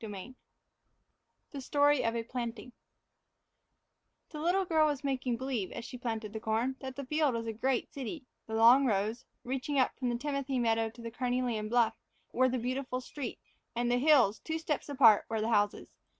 VI THE STORY OF A PLANTING THE little girl was making believe, as she planted the corn, that the field was a great city; the long rows, reaching up from the timothy meadow to the carnelian bluff, were the beautiful streets; and the hills, two steps apart, were the houses.